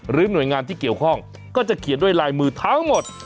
หน่วยงานที่เกี่ยวข้องก็จะเขียนด้วยลายมือทั้งหมด